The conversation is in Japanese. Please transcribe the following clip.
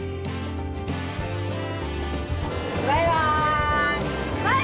バイバイ！